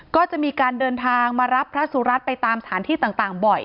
ก็จะมีการเดินทางมารับพระสุรัตน์ไปตามสถานที่ต่างบ่อย